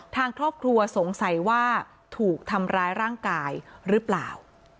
ทางครอบครัวสงสัยว่าถูกทำร้ายร่างกายหรือเปล่า